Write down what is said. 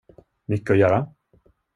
Mycket att göra?